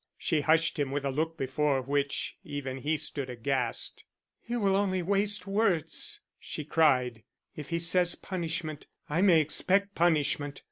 She hushed him with a look before which even he stood aghast. "You will only waste words," she cried. "If he says punishment, I may expect punishment."